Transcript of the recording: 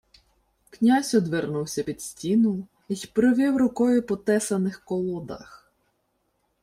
Князь одвернувся під стіну й провів рукою по тесаних колодах.